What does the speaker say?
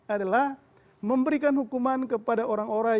adalah memberikan hukuman kepada orang orang